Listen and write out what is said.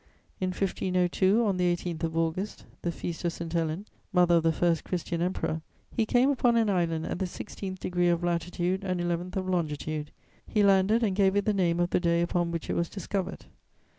In 1502, on the 18th of August, the feast of St. Helen, mother of the first Christian Emperor, he came upon an island at the 16th degree of latitude and 11th of longitude; he landed and gave it the name of the day upon which it was discovered.